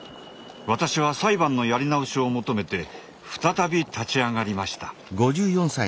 私は裁判のやり直しを求めて再び立ち上がりました。